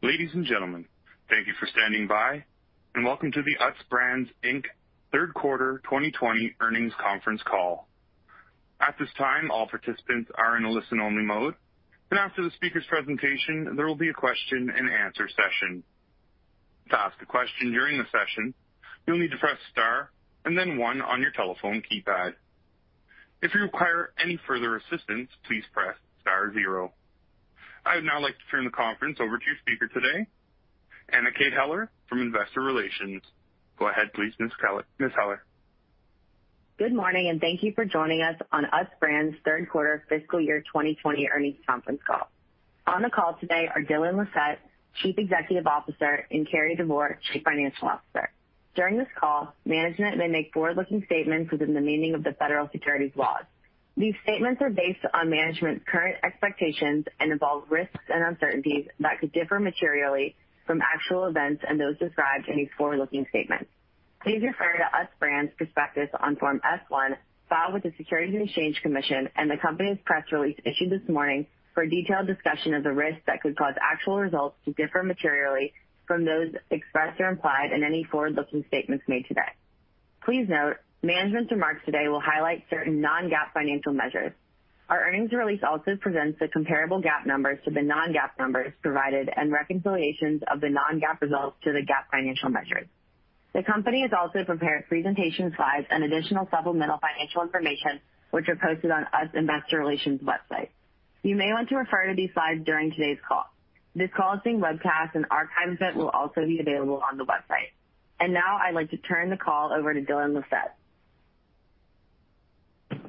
Ladies and gentlemen, thank you for standing by and welcome to the UTZ Brands, Inc. Third Quarter 2020 Earnings Conference Call. At this time, all participants are in a listen-only mode, and after the speaker's presentation, there will be a question and answer session. I would now like to turn the conference over to your speaker today, Anna Kate Heller from Investor Relations. Go ahead please, Ms. Heller. Good morning, and thank you for joining us on UTZ Brands' third quarter fiscal year 2020 earnings conference call. On the call today are Dylan Lissette, Chief Executive Officer, and Cary Devore, Chief Financial Officer. During this call, management may make forward-looking statements within the meaning of the federal securities laws. These statements are based on management's current expectations and involve risks and uncertainties that could differ materially from actual events and those described in these forward-looking statements. Please refer to UTZ Brands' prospectus on Form S-1 filed with the Securities and Exchange Commission and the company's press release issued this morning for a detailed discussion of the risks that could cause actual results to differ materially from those expressed or implied in any forward-looking statements made today. Please note, management's remarks today will highlight certain non-GAAP financial measures. Our earnings release also presents the comparable GAAP numbers to the non-GAAP numbers provided and reconciliations of the non-GAAP results to the GAAP financial measures. The company has also prepared presentation slides and additional supplemental financial information, which are posted on Utz Investor Relations website. You may want to refer to these slides during today's call. This call is being webcast and archived, will also be available on the website. Now I'd like to turn the call over to Dylan Lissette.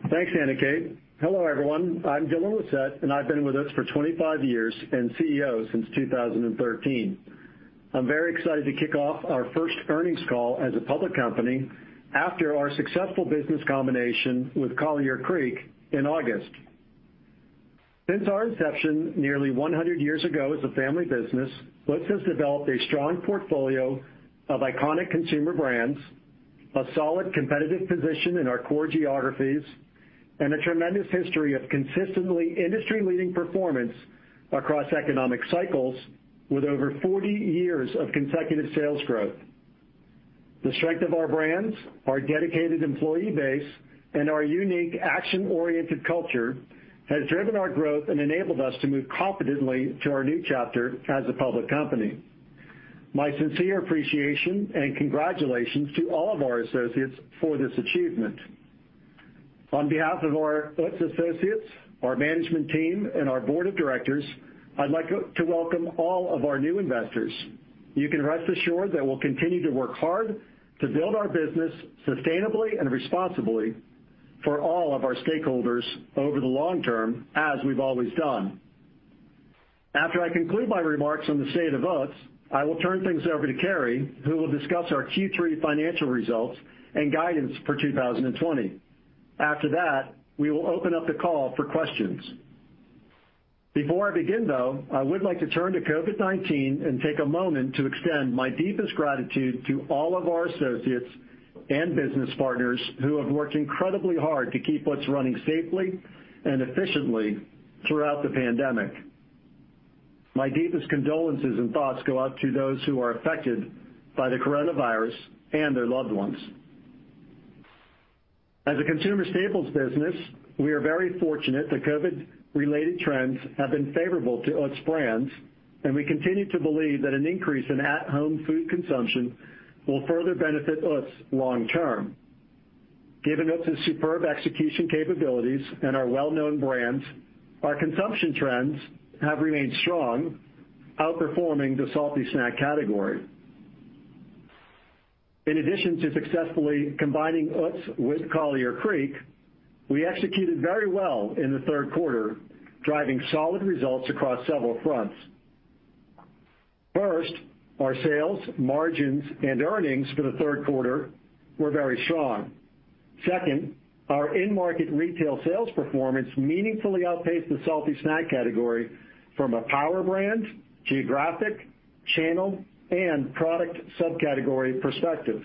Thanks, Anna Kate. Hello, everyone. I'm Dylan Lissette, and I've been with Utz for 25 years and CEO since 2013. I'm very excited to kick off our first earnings call as a public company after our successful business combination with Collier Creek in August. Since our inception nearly 100 years ago as a family business, Utz has developed a strong portfolio of iconic consumer brands, a solid competitive position in our core geographies, and a tremendous history of consistently industry-leading performance across economic cycles with over 40 years of consecutive sales growth. The strength of our brands, our dedicated employee base, and our unique action-oriented culture has driven our growth and enabled us to move confidently to our new chapter as a public company. My sincere appreciation and congratulations to all of our associates for this achievement. On behalf of our Utz associates, our management team, and our board of directors, I'd like to welcome all of our new investors. You can rest assured that we'll continue to work hard to build our business sustainably and responsibly for all of our stakeholders over the long term, as we've always done. After I conclude my remarks on the state of Utz, I will turn things over to Cary, who will discuss our Q3 financial results and guidance for 2020. After that, we will open up the call for questions. Before I begin, though, I would like to turn to COVID-19 and take a moment to extend my deepest gratitude to all of our associates and business partners who have worked incredibly hard to keep Utz running safely and efficiently throughout the pandemic. My deepest condolences and thoughts go out to those who are affected by the coronavirus and their loved ones. As a consumer staples business, we are very fortunate that COVID-related trends have been favorable to Utz Brands, and we continue to believe that an increase in at-home food consumption will further benefit Utz long term. Given Utz's superb execution capabilities and our well-known brands, our consumption trends have remained strong, outperforming the salty snack category. In addition to successfully combining Utz with Collier Creek, we executed very well in the third quarter, driving solid results across several fronts. First, our sales, margins, and earnings for the third quarter were very strong. Second, our in-market retail sales performance meaningfully outpaced the salty snack category from a power brand, geographic, channel, and product subcategory perspective.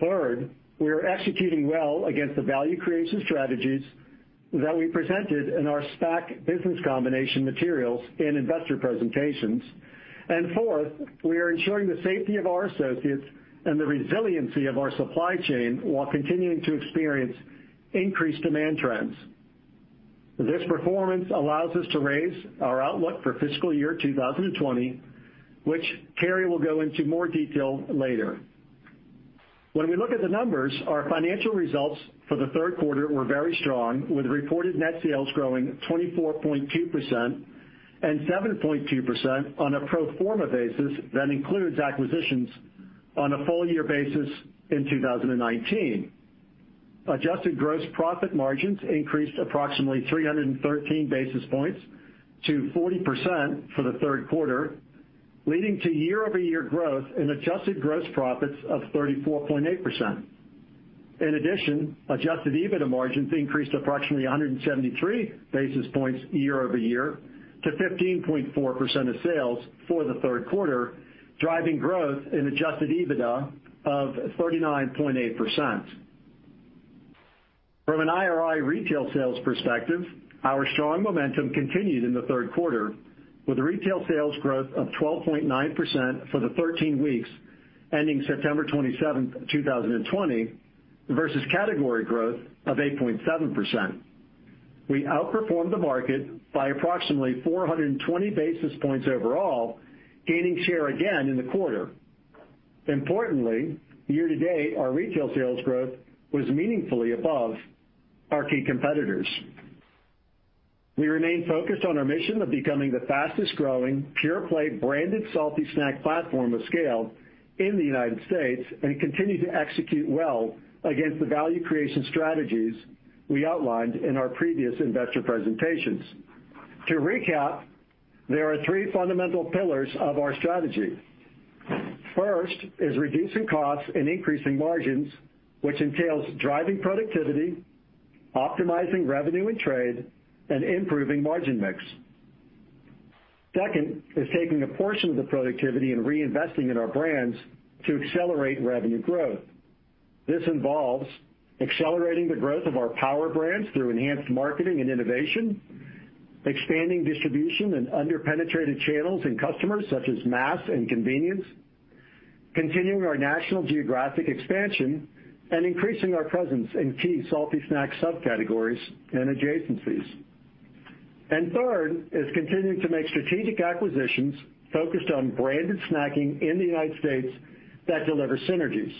Third, we are executing well against the value creation strategies that we presented in our SPAC business combination materials in investor presentations. Fourth, we are ensuring the safety of our associates and the resiliency of our supply chain while continuing to experience increased demand trends. This performance allows us to raise our outlook for fiscal year 2020, which Cary will go into more detail later. When we look at the numbers, our financial results for the third quarter were very strong, with reported net sales growing 24.2% and 7.2% on a pro forma basis that includes acquisitions on a full year basis in 2019. Adjusted gross profit margins increased approximately 313 basis points to 40% for the third quarter, leading to year-over-year growth in adjusted gross profits of 34.8%. Adjusted EBITDA margins increased approximately 173 basis points year-over-year to 15.4% of sales for the third quarter, driving growth in adjusted EBITDA of 39.8%. From an IRI retail sales perspective, our strong momentum continued in the third quarter with retail sales growth of 12.9% for the 13 weeks ending September 27th, 2020, versus category growth of 8.7%. We outperformed the market by approximately 420 basis points overall, gaining share again in the quarter. Importantly, year to date, our retail sales growth was meaningfully above our key competitors. We remain focused on our mission of becoming the fastest growing pure-play branded salty snack platform of scale in the United States, and continue to execute well against the value creation strategies we outlined in our previous investor presentations. To recap, there are three fundamental pillars of our strategy. First is reducing costs and increasing margins, which entails driving productivity, optimizing revenue and trade, and improving margin mix. Second is taking a portion of the productivity and reinvesting in our brands to accelerate revenue growth. This involves accelerating the growth of our power brands through enhanced marketing and innovation, expanding distribution in under-penetrated channels and customers such as mass and convenience, continuing our national geographic expansion, and increasing our presence in key salty snack subcategories and adjacencies. Third is continuing to make strategic acquisitions focused on branded snacking in the U.S. that deliver synergies.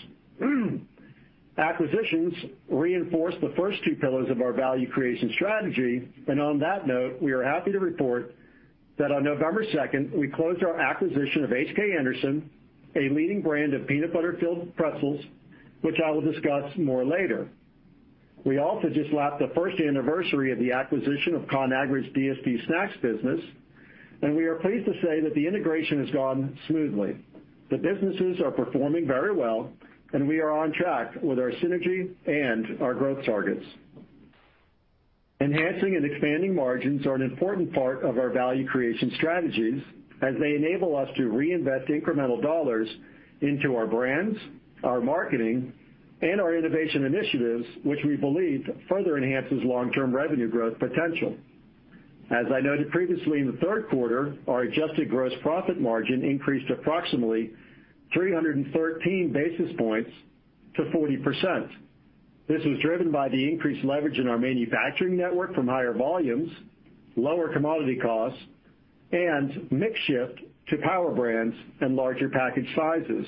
Acquisitions reinforce the first two pillars of our value creation strategy. On that note, we are happy to report that on November 2nd, we closed our acquisition of H.K. Anderson, a leading brand of peanut butter filled pretzels, which I will discuss more later. We also just lapped the first anniversary of the acquisition of Conagra's DSD Snacks business. We are pleased to say that the integration has gone smoothly. The businesses are performing very well. We are on track with our synergy and our growth targets. Enhancing and expanding margins are an important part of our value creation strategies, as they enable us to reinvest incremental dollars into our brands, our marketing, and our innovation initiatives, which we believe further enhances long-term revenue growth potential. As I noted previously, in the third quarter, our adjusted gross profit margin increased approximately 313 basis points to 40%. This was driven by the increased leverage in our manufacturing network from higher volumes, lower commodity costs, and mix shift to power brands and larger package sizes.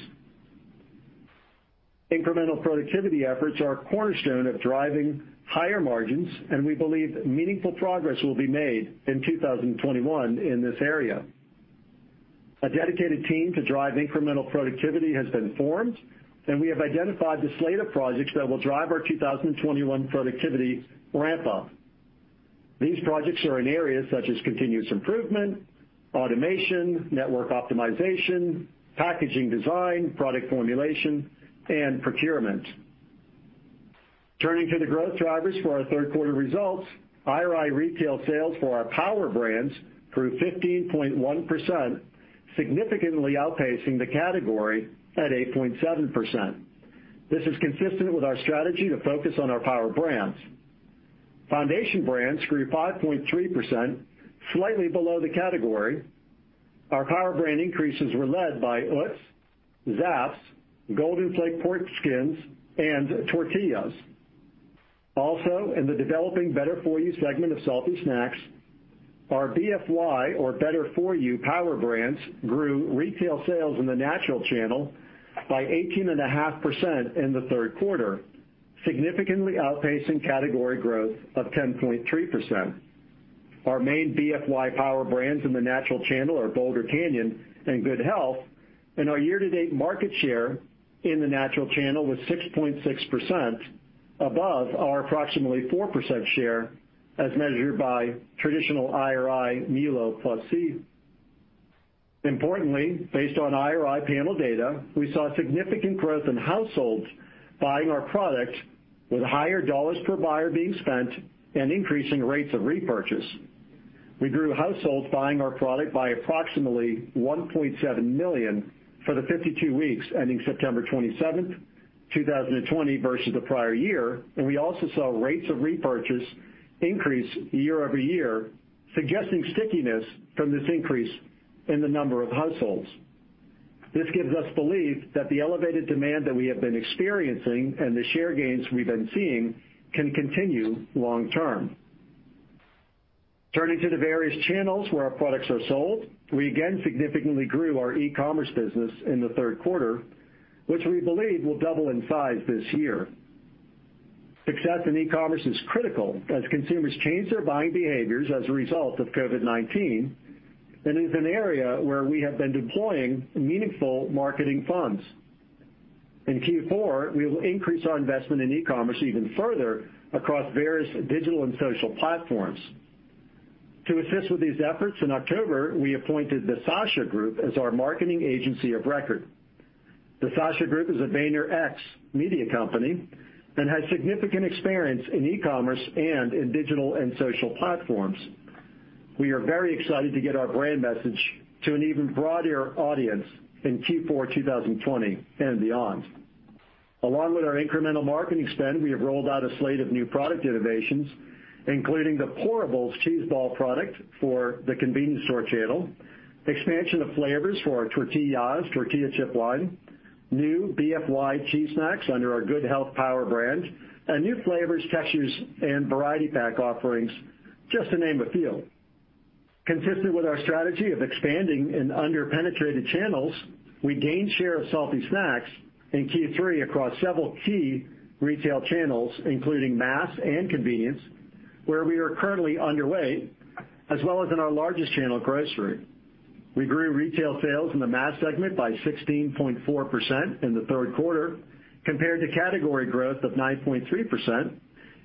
Incremental productivity efforts are a cornerstone of driving higher margins, and we believe meaningful progress will be made in 2021 in this area. A dedicated team to drive incremental productivity has been formed, and we have identified the slate of projects that will drive our 2021 productivity ramp up. These projects are in areas such as continuous improvement, automation, network optimization, packaging design, product formulation, and procurement. Turning to the growth drivers for our third quarter results, IRI retail sales for our power brands grew 15.1%, significantly outpacing the category at 8.7%. This is consistent with our strategy to focus on our power brands. Foundation brands grew 5.3%, slightly below the category. Our power brand increases were led by UTZ, Zapp's, Golden Flake pork skins, and TORTIYAHS!. Also, in the developing better-for-you segment of salty snacks, our BFY or better-for-you power brands grew retail sales in the natural channel by 18.5% in the third quarter, significantly outpacing category growth of 10.3%. Our main BFY power brands in the natural channel are Boulder Canyon and Good Health, and our year-to-date market share in the natural channel was 6.6%, above our approximately 4% share as measured by traditional IRI MULO+C. Importantly, based on IRI panel data, we saw significant growth in households buying our product with higher dollars per buyer being spent and increasing rates of repurchase. We grew households buying our product by approximately 1.7 million for the 52 weeks ending September 27th, 2020, versus the prior year, and we also saw rates of repurchase increase year-over-year, suggesting stickiness from this increase in the number of households. This gives us belief that the elevated demand that we have been experiencing and the share gains we've been seeing can continue long term. Turning to the various channels where our products are sold, we again significantly grew our e-commerce business in the third quarter, which we believe will double in size this year. Success in e-commerce is critical as consumers change their buying behaviors as a result of COVID-19, and is an area where we have been deploying meaningful marketing funds. In Q4, we will increase our investment in e-commerce even further across various digital and social platforms. To assist with these efforts, in October, we appointed The Sasha Group as our marketing agency of record. The Sasha Group is a VaynerX media company and has significant experience in e-commerce and in digital and social platforms. We are very excited to get our brand message to an even broader audience in Q4 2020 and beyond. Along with our incremental marketing spend, we have rolled out a slate of new product innovations, including the Pourables cheese ball product for the convenience store channel, expansion of flavors for our TORTIYAHS! tortilla chip line, new BFY cheese snacks under our Good Health brand, and new flavors, textures, and variety pack offerings, just to name a few. Consistent with our strategy of expanding in under-penetrated channels, we gained share of salty snacks in Q3 across several key retail channels, including mass and convenience, where we are currently underway, as well as in our largest channel, grocery. We grew retail sales in the mass segment by 16.4% in the third quarter compared to category growth of 9.3%,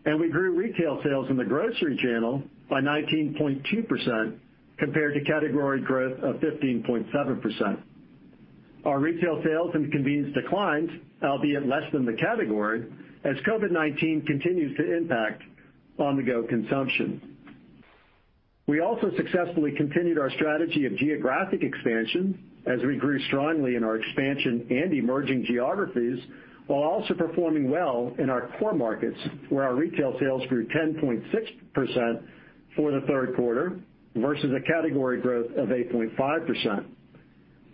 and we grew retail sales in the grocery channel by 19.2% compared to category growth of 15.7%. Our retail sales in convenience declined, albeit less than the category, as COVID-19 continues to impact on-the-go consumption. We also successfully continued our strategy of geographic expansion as we grew strongly in our expansion and emerging geographies, while also performing well in our core markets, where our retail sales grew 10.6% for the third quarter versus a category growth of 8.5%.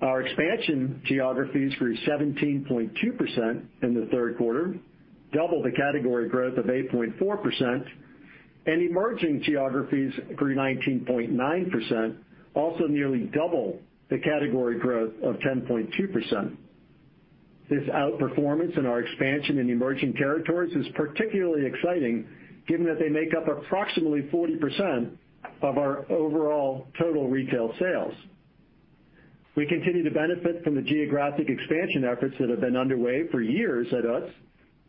Our expansion geographies grew 17.2% in the third quarter, double the category growth of 8.4%, and emerging geographies grew 19.9%, also nearly double the category growth of 10.2%. This outperformance in our expansion in emerging territories is particularly exciting given that they make up approximately 40% of our overall total retail sales. We continue to benefit from the geographic expansion efforts that have been underway for years at UTZ,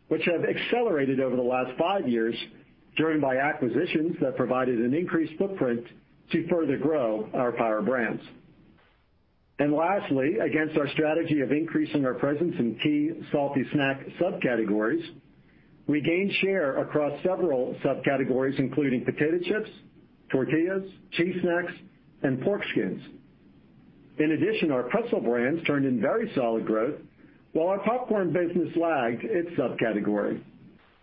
which have accelerated over the last five years, driven by acquisitions that provided an increased footprint to further grow our Power Brands. Lastly, against our strategy of increasing our presence in key salty snack subcategories, we gained share across several subcategories, including potato chips, tortillas, cheese snacks, and pork skins. In addition, our pretzel brands turned in very solid growth, while our popcorn business lagged its subcategory.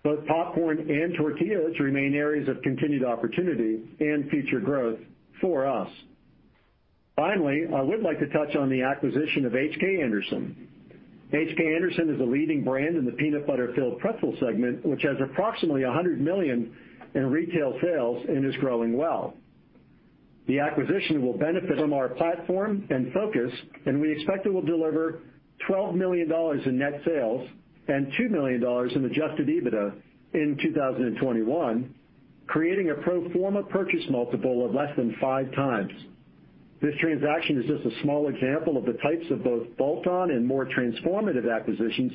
Both popcorn and tortillas remain areas of continued opportunity and future growth for us. Finally, I would like to touch on the acquisition of H.K. Anderson. H.K. Anderson is a leading brand in the peanut butter filled pretzel segment, which has approximately $100 million in retail sales and is growing well. The acquisition will benefit from our platform and focus, and we expect it will deliver $12 million in net sales and $2 million in adjusted EBITDA in 2021, creating a pro forma purchase multiple of less than 5x. This transaction is just a small example of the types of both bolt-on and more transformative acquisitions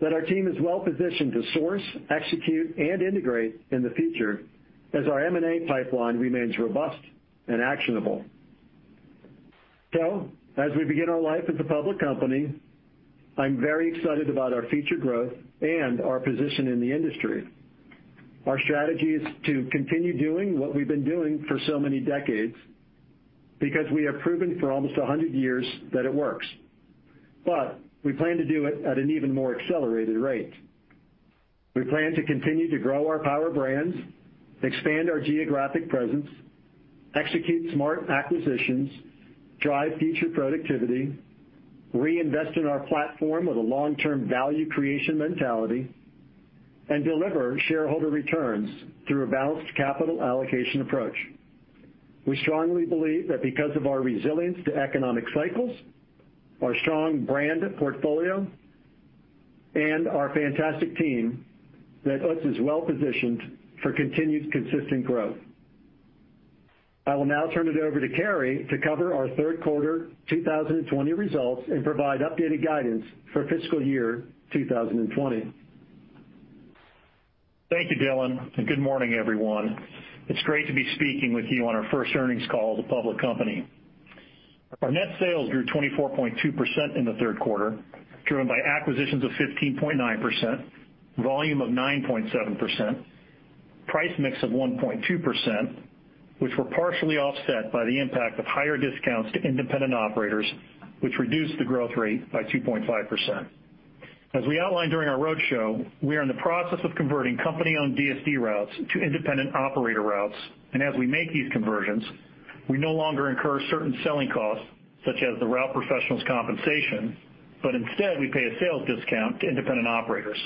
that our team is well positioned to source, execute, and integrate in the future as our M&A pipeline remains robust and actionable. As we begin our life as a public company, I'm very excited about our future growth and our position in the industry. Our strategy is to continue doing what we've been doing for so many decades because we have proven for almost 100 years that it works. We plan to do it at an even more accelerated rate. We plan to continue to grow our Power Brands, expand our geographic presence, execute smart acquisitions, drive future productivity, reinvest in our platform with a long-term value creation mentality, and deliver shareholder returns through a balanced capital allocation approach. We strongly believe that because of our resilience to economic cycles, our strong brand portfolio, and our fantastic team, that UTZ is well positioned for continued consistent growth. I will now turn it over to Cary to cover our third quarter 2020 results and provide updated guidance for fiscal year 2020. Thank you, Dylan. Good morning, everyone. It's great to be speaking with you on our first earnings call as a public company. Our net sales grew 24.2% in the third quarter, driven by acquisitions of 15.9%, volume of 9.7%, price mix of 1.2%, which were partially offset by the impact of higher discounts to independent operators, which reduced the growth rate by 2.5%. As we outlined during our roadshow, we are in the process of converting company-owned DSD routes to independent operator routes and as we make these conversions, we no longer incur certain selling costs, such as the route professionals' compensation, but instead we pay a sales discount to independent operators.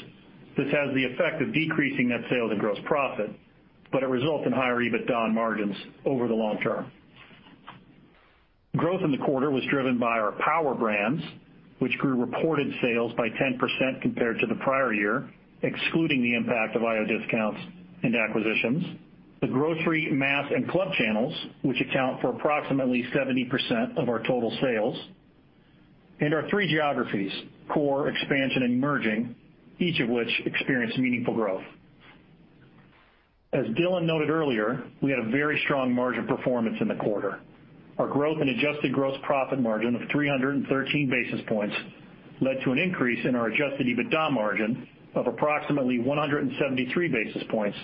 This has the effect of decreasing net sales and gross profit, but it results in higher EBITDA margins over the long term. Growth in the quarter was driven by our Power Brands, which grew reported sales by 10% compared to the prior year, excluding the impact of IO discounts and acquisitions. The grocery, mass, and club channels, which account for approximately 70% of our total sales, and our three geographies, core, expansion, and emerging, each of which experienced meaningful growth. As Dylan noted earlier, we had a very strong margin performance in the quarter. Our growth in adjusted gross profit margin of 313 basis points led to an increase in our adjusted EBITDA margin of approximately 173 basis points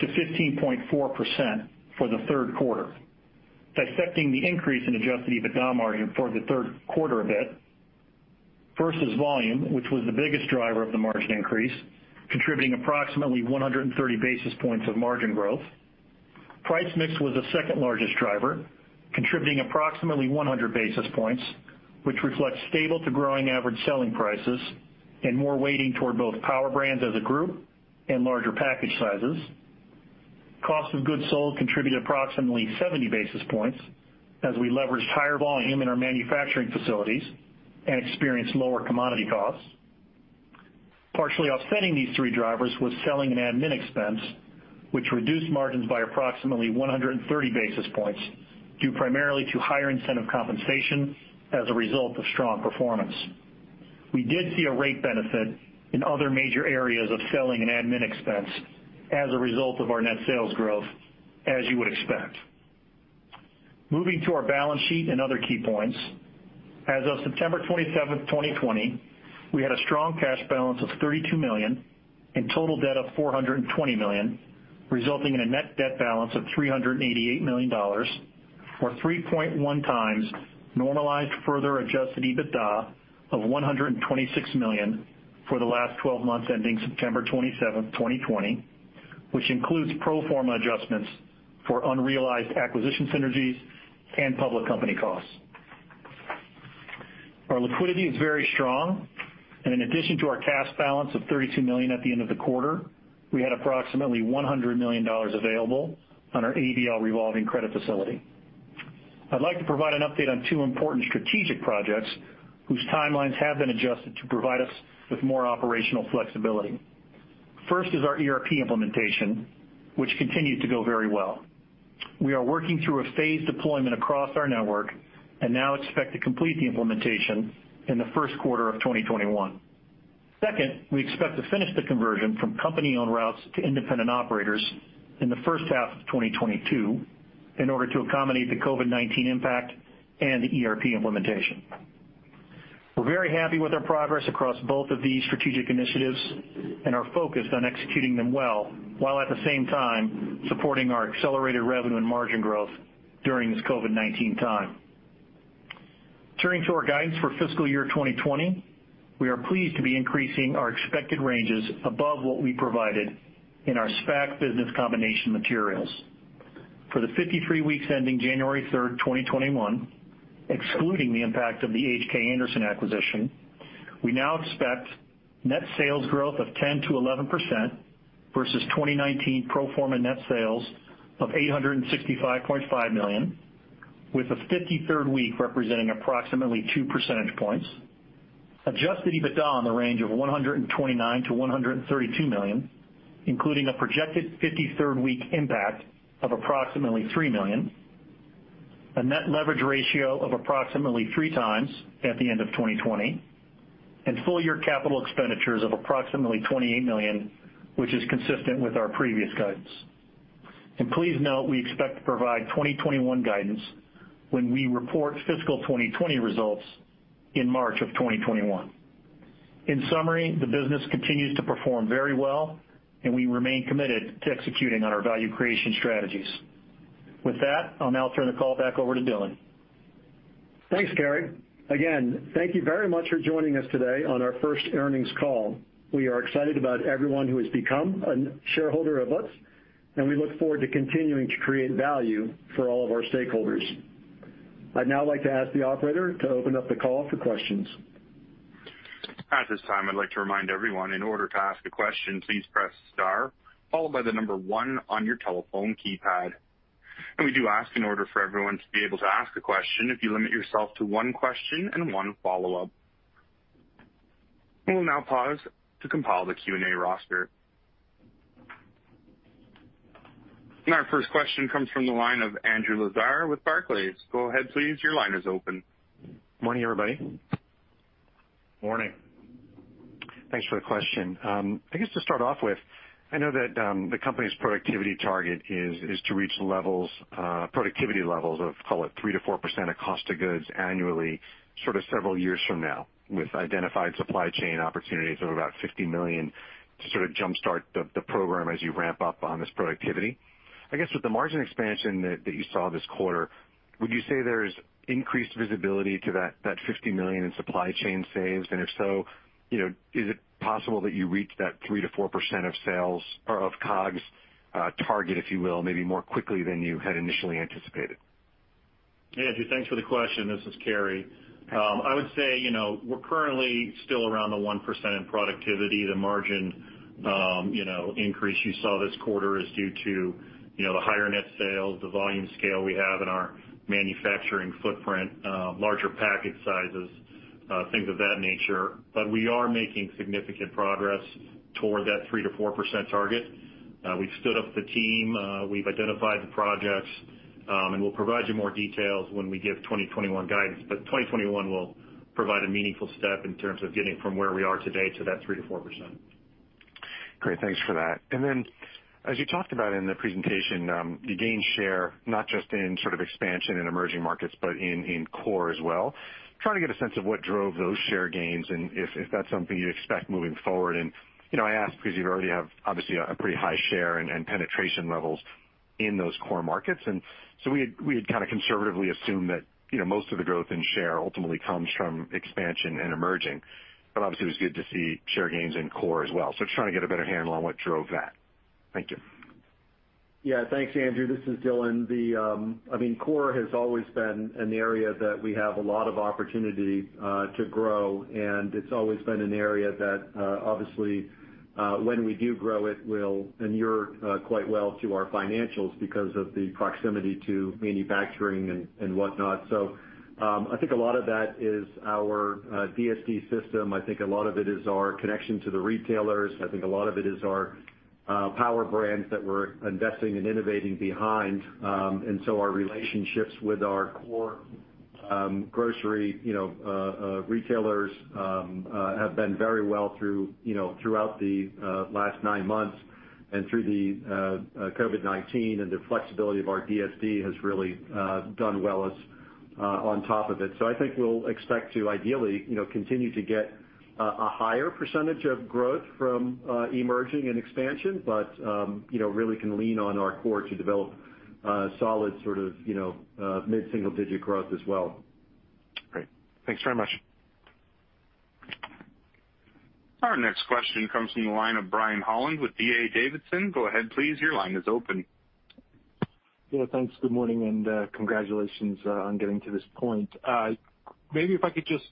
to 15.4% for the third quarter. Dissecting the increase in adjusted EBITDA margin for the third quarter a bit. First is volume, which was the biggest driver of the margin increase, contributing approximately 130 basis points of margin growth. Price mix was the second largest driver, contributing approximately 100 basis points, which reflects stable to growing average selling prices and more weighting toward both Power Brands as a group and larger package sizes. Cost of goods sold contributed approximately 70 basis points as we leveraged higher volume in our manufacturing facilities and experienced lower commodity costs. Partially offsetting these three drivers was selling and admin expense, which reduced margins by approximately 130 basis points, due primarily to higher incentive compensation as a result of strong performance. We did see a rate benefit in other major areas of selling and admin expense as a result of our net sales growth, as you would expect. Moving to our balance sheet and other key points. As of September 27th, 2020, we had a strong cash balance of $32 million and total debt of $420 million, resulting in a net debt balance of $388 million, or 3.1 times normalized further adjusted EBITDA of $126 million for the last 12 months ending September 27th, 2020, which includes pro forma adjustments for unrealized acquisition synergies and public company costs. Our liquidity is very strong, and in addition to our cash balance of $32 million at the end of the quarter, we had approximately $100 million available on our ABL revolving credit facility. I'd like to provide an update on two important strategic projects whose timelines have been adjusted to provide us with more operational flexibility. First is our ERP implementation, which continued to go very well. We are working through a phased deployment across our network and now expect to complete the implementation in the first quarter of 2021. We expect to finish the conversion from company-owned routes to independent operators in the first half of 2022 in order to accommodate the COVID-19 impact and the ERP implementation. We're very happy with our progress across both of these strategic initiatives and are focused on executing them well, while at the same time supporting our accelerated revenue and margin growth during this COVID-19 time. Turning to our guidance for fiscal year 2020. We are pleased to be increasing our expected ranges above what we provided in our SPAC business combination materials. For the 53 weeks ending January 3rd, 2021, excluding the impact of the H.K. Anderson acquisition, we now expect net sales growth of 10%-11% versus 2019 pro forma net sales of $865.5 million, with the 53rd week representing approximately two percentage points. Adjusted EBITDA in the range of $129 million-$132 million, including a projected 53rd week impact of approximately $3 million. A net leverage ratio of approximately three times at the end of 2020, and full year capital expenditures of approximately $28 million, which is consistent with our previous guidance. Please note, we expect to provide 2021 guidance when we report fiscal 2020 results in March of 2021. In summary, the business continues to perform very well, and we remain committed to executing on our value creation strategies. With that, I'll now turn the call back over to Dylan. Thanks, Cary. Again, thank you very much for joining us today on our first earnings call. We are excited about everyone who has become a shareholder of UTZ, and we look forward to continuing to create value for all of our stakeholders. I'd now like to ask the operator to open up the call for questions. At this time, I'd like to remind everyone, in order to ask a question, please press star followed by the number one on your telephone keypad. We do ask in order for everyone to be able to ask a question, if you limit yourself to one question and one follow-up. We will now pause to compile the Q&A roster. Our first question comes from the line of Andrew Lazar with Barclays. Go ahead, please. Your line is open. Morning, everybody. Morning. Thanks for the question. I guess to start off with, I know that the company's productivity target is to reach productivity levels of, call it 3%-4% of cost of goods annually sort of several years from now, with identified supply chain opportunities of about $50 million to sort of jumpstart the program as you ramp up on this productivity. I guess with the margin expansion that you saw this quarter, would you say there's increased visibility to that $50 million in supply chain saves? If so, is it possible that you reach that 3%-4% of sales or of COGS target, if you will, maybe more quickly than you had initially anticipated? Andrew, thanks for the question. This is Cary. I would say, we're currently still around the 1% in productivity. The margin increase you saw this quarter is due to the higher net sales, the volume scale we have in our manufacturing footprint, larger package sizes, things of that nature. We are making significant progress toward that 3%-4% target. We've stood up the team, we've identified the projects, and we'll provide you more details when we give 2021 guidance. 2021 will provide a meaningful step in terms of getting from where we are today to that 3%-4%. Great. Thanks for that. As you talked about in the presentation, you gained share, not just in expansion in emerging markets, but in core as well. Trying to get a sense of what drove those share gains and if that's something you expect moving forward. I ask because you already have, obviously, a pretty high share and penetration levels in those core markets. We had conservatively assumed that most of the growth in share ultimately comes from expansion and emerging, but obviously it was good to see share gains in core as well. Trying to get a better handle on what drove that. Thank you. Yeah. Thanks, Andrew. This is Dylan. Core has always been an area that we have a lot of opportunity to grow, and it's always been an area that, obviously, when we do grow it will inure quite well to our financials because of the proximity to manufacturing and whatnot. I think a lot of that is our DSD system. I think a lot of it is our connection to the retailers. I think a lot of it is our power brands that we're investing and innovating behind. Our relationships with our core grocery retailers have been very well throughout the last nine months and through the COVID-19, and the flexibility of our DSD has really done well on top of it. I think we'll expect to ideally continue to get a higher % of growth from emerging and expansion, but really can lean on our core to develop solid mid-single-digit growth as well. Great. Thanks very much. Our next question comes from the line of Brian Holland with D.A. Davidson. Thanks. Good morning, and congratulations on getting to this point. Maybe if I could just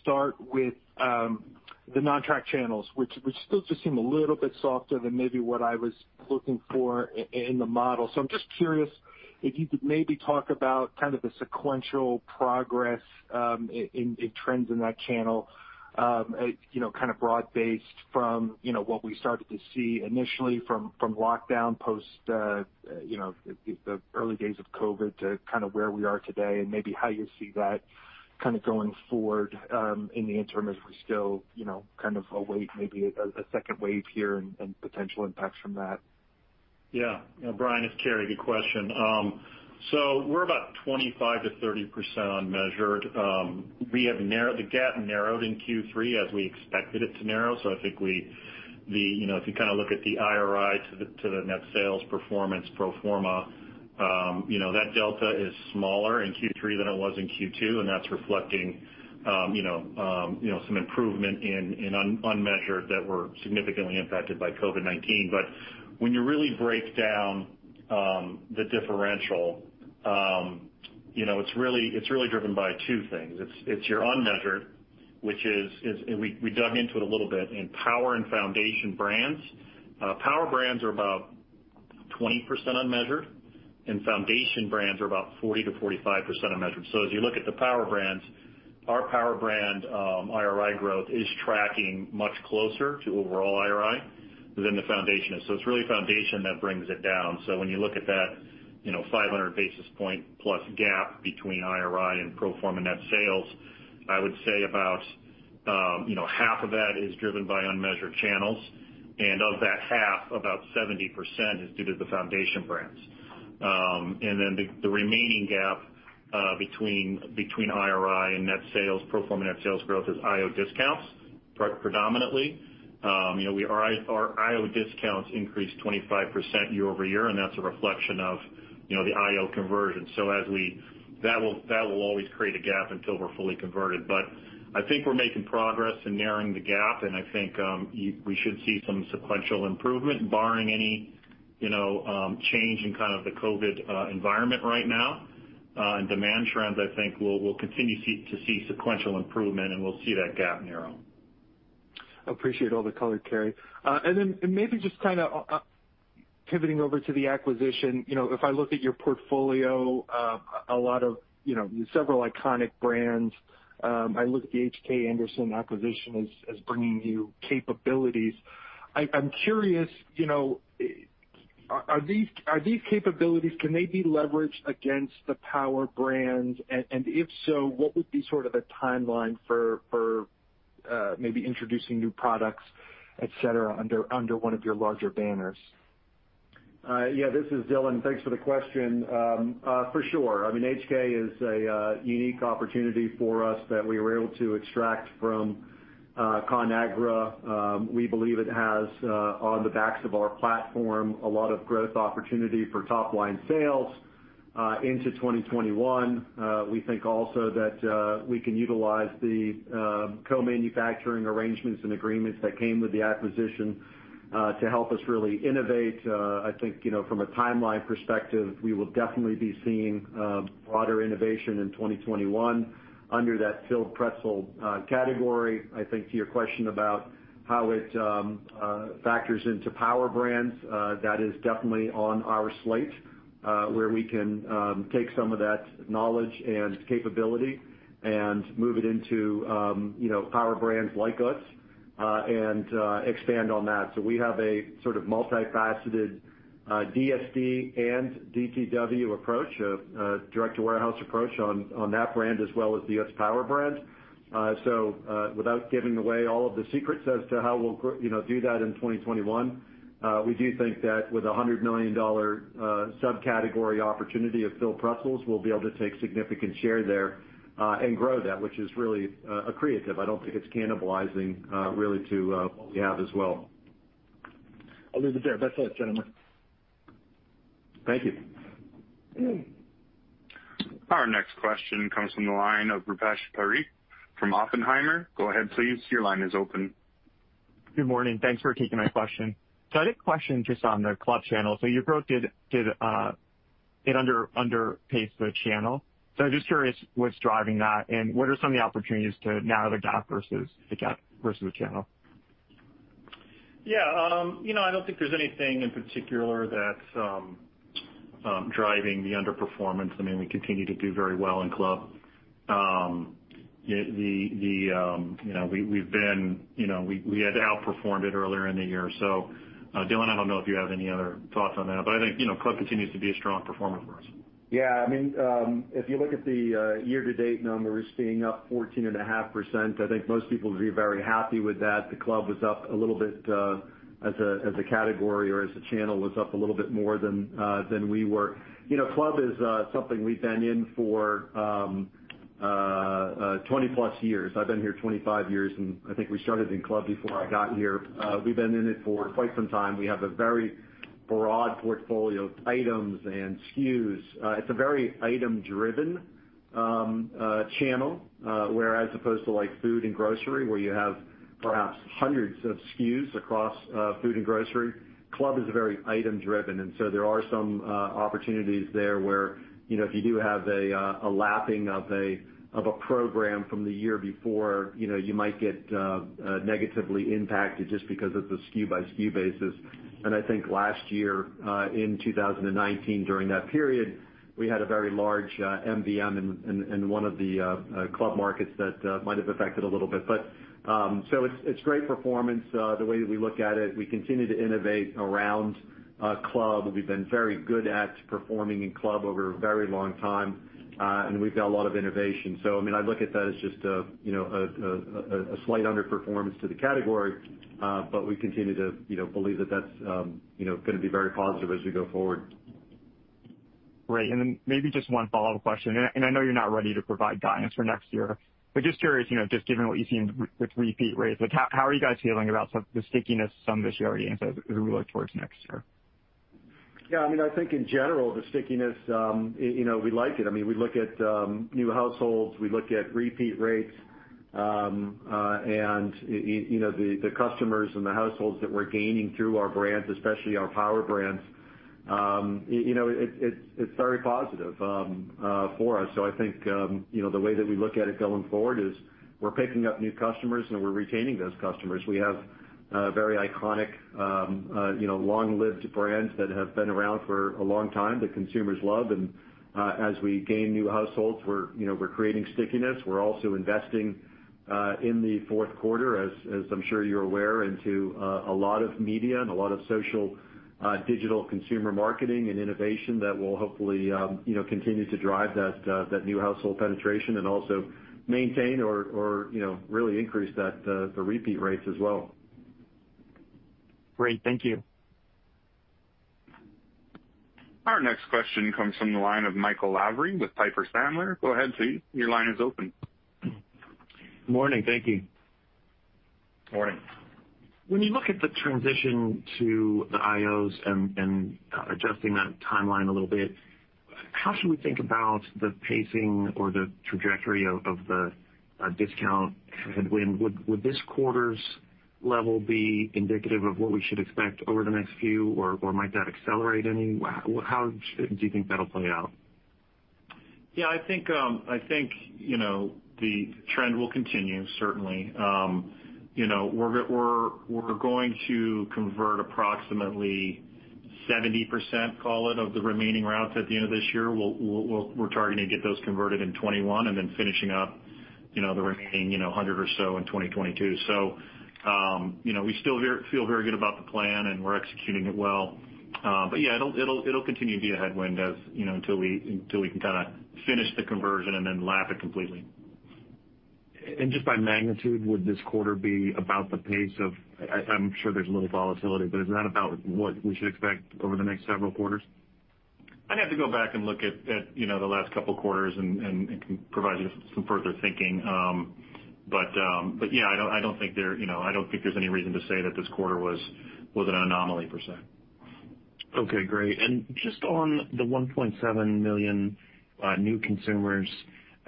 start with the non-track channels, which still just seem a little bit softer than maybe what I was looking for in the model. I'm just curious if you could maybe talk about the sequential progress in trends in that channel, broad-based from what we started to see initially from lockdown post the early days of COVID to where we are today, and maybe how you see that going forward in the interim as we still await maybe a second wave here and potential impacts from that. Yeah. Brian, it's Cary. Good question. We're about 25%-30% unmeasured. The gap narrowed in Q3 as we expected it to narrow. I think if you look at the IRI to the net sales performance pro forma, that delta is smaller in Q3 than it was in Q2, and that's reflecting some improvement in unmeasured that were significantly impacted by COVID-19. When you really break down the differential, it's really driven by two things. It's your unmeasured, which we dug into it a little bit in power and foundation brands. Power brands are about 20% unmeasured, and foundation brands are about 40%-45% unmeasured. As you look at the power brands, our power brand IRI growth is tracking much closer to overall IRI than the foundation is. It's really foundation that brings it down. When you look at that 500 basis point plus gap between IRI and pro forma net sales, I would say about half of that is driven by unmeasured channels. Of that half, about 70% is due to the foundation brands. The remaining gap between IRI and pro forma net sales growth is IO discounts, predominantly. Our IO discounts increased 25% year-over-year, and that's a reflection of the IO conversion. That will always create a gap until we're fully converted. I think we're making progress in narrowing the gap, and I think we should see some sequential improvement barring any change in the COVID environment right now. In demand trends, I think we'll continue to see sequential improvement, and we'll see that gap narrow. Appreciate all the color, Cary. Maybe just pivoting over to the acquisition. If I look at your portfolio, several iconic brands. I look at the H.K. Anderson acquisition as bringing new capabilities. I'm curious, are these capabilities, can they be leveraged against the power brands? If so, what would be a timeline for maybe introducing new products, et cetera, under one of your larger banners? Yeah. This is Dylan. Thanks for the question. For sure. H.K. is a unique opportunity for us that we were able to extract from Conagra. We believe it has, on the backs of our platform, a lot of growth opportunity for top-line sales into 2021. We think also that we can utilize the co-manufacturing arrangements and agreements that came with the acquisition to help us really innovate. I think from a timeline perspective, we will definitely be seeing broader innovation in 2021 under that filled pretzel category. I think to your question about how it factors into power brands, that is definitely on our slate, where we can take some of that knowledge and capability and move it into power brands like UTZ and expand on that. We have a sort of multifaceted DSD and DTW approach, a direct-to-warehouse approach on that brand as well as the U.S. Power brand. Without giving away all of the secrets as to how we'll do that in 2021, we do think that with $100 million subcategory opportunity of filled pretzels, we'll be able to take significant share there and grow that, which is really accretive. I don't think it's cannibalizing really to what we have as well. I'll leave it there. Best of luck, gentlemen. Thank you. Our next question comes from the line of Rupesh Parikh from Oppenheimer. Go ahead, please. Your line is open. Good morning. Thanks for taking my question. I had a question just on the club channel. You both did it underpace the channel. I'm just curious what's driving that and what are some of the opportunities to narrow the gap versus the channel? Yeah. I don't think there's anything in particular that's driving the underperformance. We continue to do very well in club. We had outperformed it earlier in the year. Dylan, I don't know if you have any other thoughts on that, but I think, club continues to be a strong performer for us. Yeah. If you look at the year-to-date numbers being up 14.5%, I think most people would be very happy with that. The club was up a little bit, as a category or as a channel, was up a little bit more than we were. Club is something we've been in for 20-plus years. I've been here 25 years, and I think we started in club before I got here. We've been in it for quite some time. We have a very broad portfolio of items and SKUs. It's a very item-driven channel, where as opposed to food and grocery, where you have perhaps hundreds of SKUs across food and grocery, club is very item-driven. There are some opportunities there where, if you do have a lapping of a program from the year before, you might get negatively impacted just because it's a SKU-by-SKU basis. I think last year, in 2019, during that period, we had a very large MVM in one of the club markets that might have affected a little bit. It's great performance. The way that we look at it, we continue to innovate around club. We've been very good at performing in club over a very long time, and we've got a lot of innovation. I look at that as just a slight underperformance to the category. We continue to believe that's going to be very positive as we go forward. Great. Then maybe just one follow-up question, and I know you're not ready to provide guidance for next year, but just curious, just given what you've seen with repeat rates, how are you guys feeling about the stickiness some of this year as we look towards next year? Yeah, I think in general, the stickiness, we like it. We look at new households, we look at repeat rates, and the customers and the households that we're gaining through our brands, especially our power brands, it's very positive for us. I think, the way that we look at it going forward is we're picking up new customers, and we're retaining those customers. We have very iconic, long-lived brands that have been around for a long time, that consumers love. As we gain new households, we're creating stickiness. We're also investing in the fourth quarter, as I'm sure you're aware, into a lot of media and a lot of social digital consumer marketing and innovation that will hopefully continue to drive that new household penetration and also maintain or really increase the repeat rates as well. Great. Thank you. Our next question comes from the line of Michael Lavery with Piper Sandler. Go ahead, please. Your line is open. Morning. Thank you. Morning. When you look at the transition to the IOs and adjusting that timeline a little bit, how should we think about the pacing or the trajectory of the discount headwind? Would this quarter's level be indicative of what we should expect over the next few, or might that accelerate any? How do you think that'll play out? Yeah, I think the trend will continue, certainly. We're going to convert approximately 70%, call it, of the remaining routes at the end of this year. We're targeting to get those converted in 2021 and then finishing up the remaining 100 or so in 2022. We still feel very good about the plan, and we're executing it well. Yeah, it'll continue to be a headwind until we can finish the conversion and then lap it completely. Just by magnitude, would this quarter be about the pace of, I'm sure there's a little volatility, but is that about what we should expect over the next several quarters? I'd have to go back and look at the last couple of quarters and can provide you some further thinking. Yeah, I don't think there's any reason to say that this quarter was an anomaly, per se. Okay, great. Just on the 1.7 million new consumers,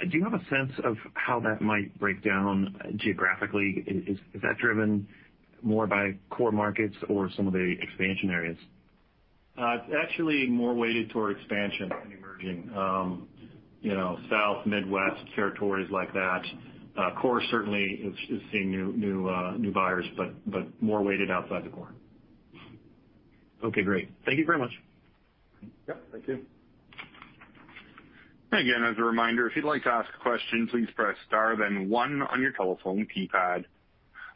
do you have a sense of how that might break down geographically? Is that driven more by core markets or some of the expansion areas? It's actually more weighted toward expansion and emerging. South, Midwest, territories like that. Core certainly is seeing new buyers, but more weighted outside the Core. Okay, great. Thank you very much. Yep, thank you. Again, as a reminder, if you'd like to ask a question, please press star then one on your telephone keypad.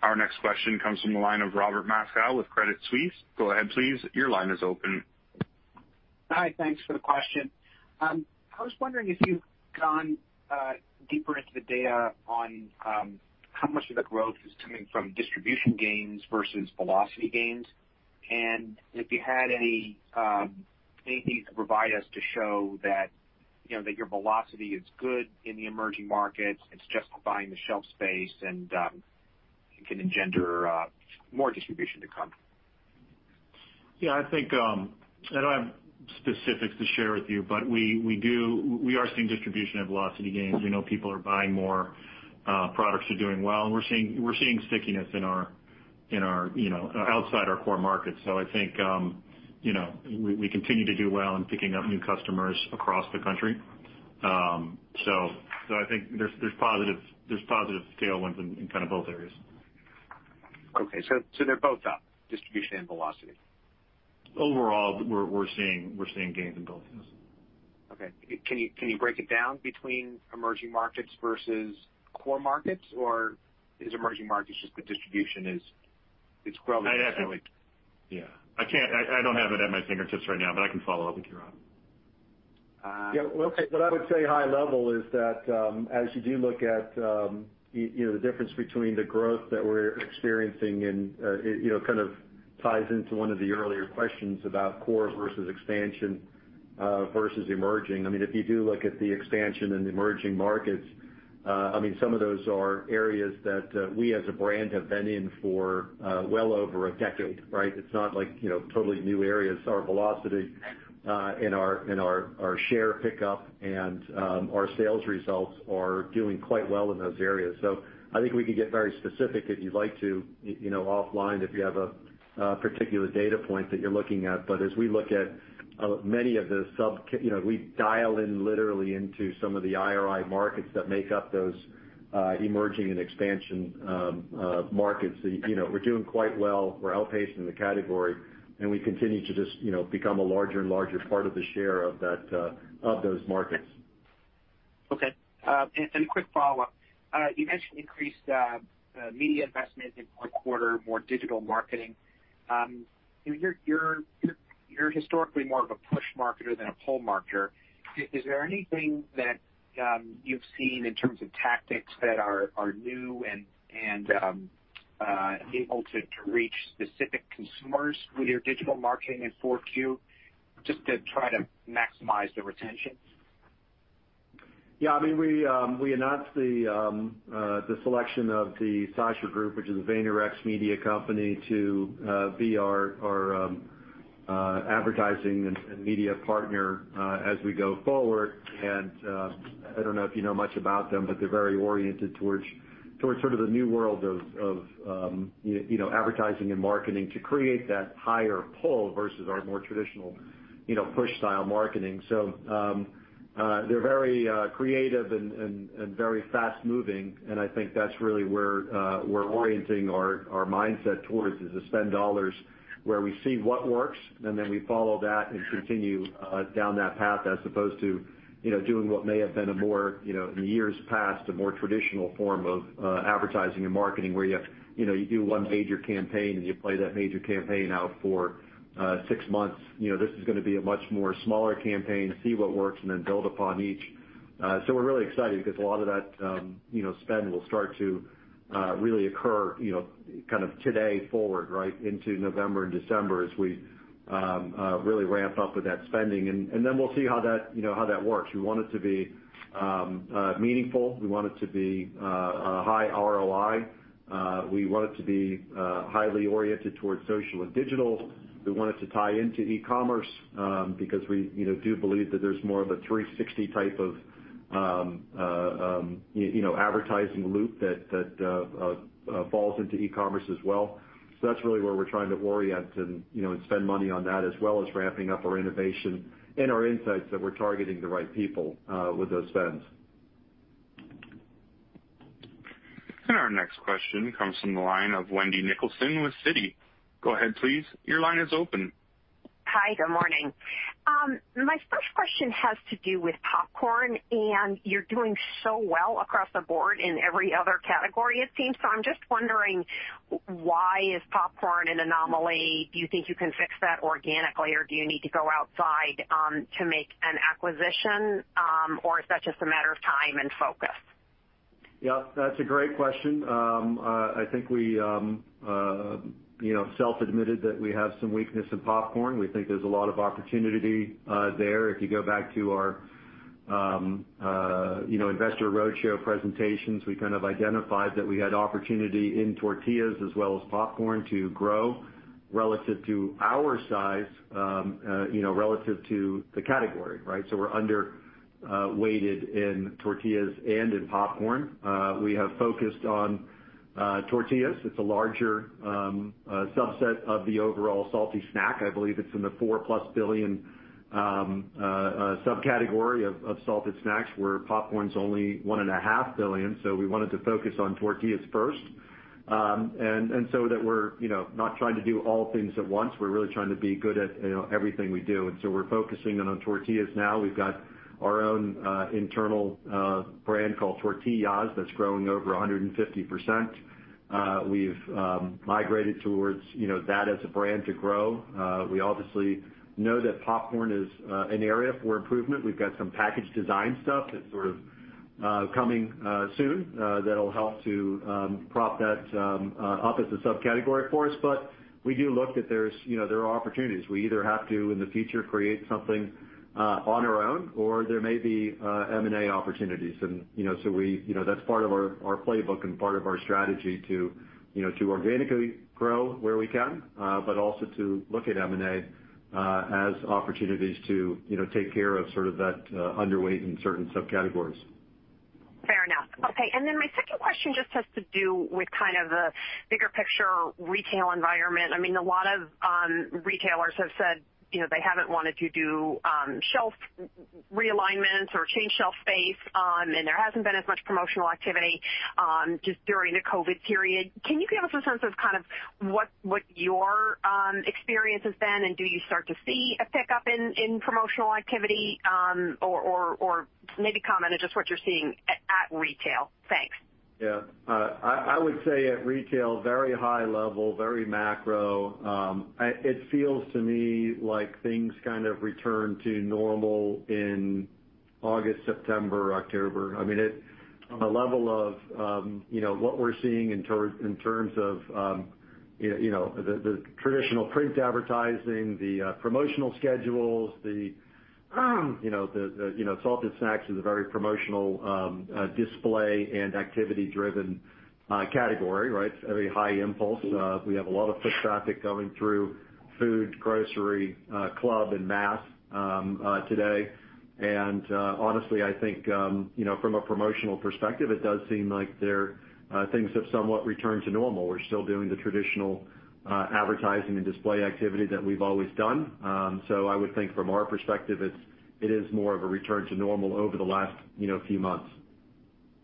Our next question comes from the line of Robert Moskow with Credit Suisse. Go ahead, please. Your line is open. Hi. Thanks for the question. I was wondering if you've gone deeper into the data on how much of the growth is coming from distribution gains versus velocity gains, and if you had anything to provide us to show that your velocity is good in the emerging markets, it's justifying the shelf space, and it can engender more distribution to come. Yeah. I don't have specifics to share with you, but we are seeing distribution and velocity gains. People are buying more products are doing well, and we're seeing stickiness outside our core markets. I think we continue to do well in picking up new customers across the country. I think there's positive tailwinds in both areas. Okay. They're both up, distribution and velocity. Overall, we're seeing gains in both, yes. Okay. Can you break it down between emerging markets versus core markets, or is emerging markets just the distribution is growing- Yeah. I don't have it at my fingertips right now, but I can follow up with you, Rob. Okay. What I would say high level is that, as you do look at the difference between the growth that we're experiencing and it kind of ties into one of the earlier questions about core versus expansion, versus emerging. If you do look at the expansion in the emerging markets, some of those are areas that we as a brand have been in for well over a decade, right? It's not like totally new areas. Our velocity and our share pickup and our sales results are doing quite well in those areas. I think we could get very specific if you'd like to offline if you have a particular data point that you're looking at. As we look at many of those, we dial in literally into some of the IRI markets that make up those emerging and expansion markets. We're doing quite well. We're outpacing the category, and we continue to just become a larger and larger part of the share of those markets. Okay. Quick follow-up. You mentioned increased media investment in fourth quarter, more digital marketing. You're historically more of a push marketer than a pull marketer. Is there anything that you've seen in terms of tactics that are new and able to reach specific consumers with your digital marketing in 4Q, just to try to maximize the retention? Yeah. We announced the selection of The Sasha Group, which is a VaynerX media company, to be our advertising and media partner as we go forward. I don't know if you know much about them, but they're very oriented towards sort of the new world of advertising and marketing to create that higher pull versus our more traditional push-style marketing. They're very creative and very fast-moving, and I think that's really where we're orienting our mindset towards, is to spend dollars where we see what works, and then we follow that and continue down that path as opposed to doing what may have been in years past, a more traditional form of advertising and marketing, where you do one major campaign, and you play that major campaign out for six months. This is going to be a much more smaller campaign to see what works and then build upon each. We're really excited because a lot of that spend will start to really occur kind of today forward right into November and December as we really ramp up with that spending. We'll see how that works. We want it to be meaningful. We want it to be a high ROI. We want it to be highly oriented towards social and digital. We want it to tie into e-commerce, because we do believe that there's more of a 360 type of advertising loop that falls into e-commerce as well. That's really where we're trying to orient and spend money on that as well as ramping up our innovation and our insights that we're targeting the right people with those spends. Our next question comes from the line of Wendy Nicholson with Citi. Go ahead, please. Your line is open. Hi. Good morning. My first question has to do with popcorn, and you're doing so well across the board in every other category, it seems. I'm just wondering, why is popcorn an anomaly? Do you think you can fix that organically, or do you need to go outside to make an acquisition? Is that just a matter of time and focus? Yeah, that's a great question. I think we self-admitted that we have some weakness in popcorn. We think there's a lot of opportunity there. If you go back to our investor roadshow presentations, we kind of identified that we had opportunity in tortillas as well as popcorn to grow relative to our size, relative to the category, right? We're underweighted in tortillas and in popcorn. We have focused on tortillas. It's a larger subset of the overall salty snack. I believe it's in the $4+ billion subcategory of salted snacks, where popcorn's only $1.5 billion. We wanted to focus on tortillas first. We're not trying to do all things at once. We're really trying to be good at everything we do. We're focusing in on tortillas now. We've got our own internal brand called TORTIYAHS!, that's growing over 150%. We've migrated towards that as a brand to grow. We obviously know that popcorn is an area for improvement. We've got some package design stuff that's coming soon that'll help to prop that up as a subcategory for us. We do look that there are opportunities. We either have to, in the future, create something on our own or there may be M&A opportunities. That's part of our playbook and part of our strategy to organically grow where we can, but also to look at M&A as opportunities to take care of that underweight in certain subcategories. Fair enough. Okay. My second question just has to do with kind of the bigger picture retail environment. A lot of retailers have said they haven't wanted to do shelf realignments or change shelf space, and there hasn't been as much promotional activity just during the COVID period. Can you give us a sense of what your experience has been, and do you start to see a pickup in promotional activity? Or maybe comment on just what you're seeing at retail. Thanks. Yeah. I would say at retail, very high level, very macro. It feels to me like things kind of returned to normal in August, September, October. On a level of what we're seeing in terms of the traditional print advertising, the promotional schedules, the salted snacks is a very promotional, display and activity-driven category, right? It's very high impulse. We have a lot of foot traffic coming through food, grocery, club, and mass today. Honestly, I think from a promotional perspective, it does seem like things have somewhat returned to normal. We're still doing the traditional advertising and display activity that we've always done. I would think from our perspective, it is more of a return to normal over the last few months.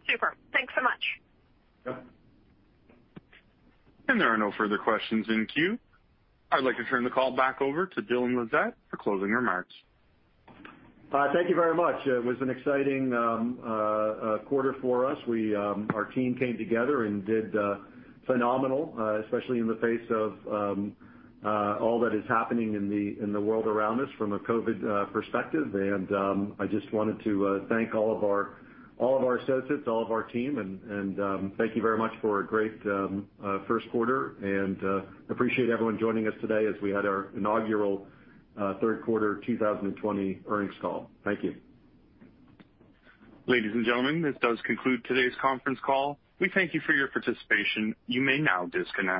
Super. Thanks so much. Yep. There are no further questions in queue. I'd like to turn the call back over to Dylan Lissette for closing remarks. Thank you very much. It was an exciting quarter for us. Our team came together and did phenomenal, especially in the face of all that is happening in the world around us from a COVID perspective. I just wanted to thank all of our associates, all of our team, and thank you very much for a great first quarter, and appreciate everyone joining us today as we had our inaugural third quarter 2020 earnings call. Thank you. Ladies and gentlemen, this does conclude today's conference call. We thank you for your participation. You may now disconnect.